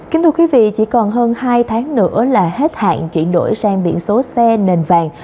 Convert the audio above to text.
kính thưa quý vị chỉ còn hơn hai tháng nữa là hết hạn chuyển đổi sang biển số xe nền vàng